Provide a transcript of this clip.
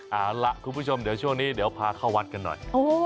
เอาล่ะคุณผู้ชมเดี๋ยวช่วงนี้เดี๋ยวพาเข้าวัดกันหน่อย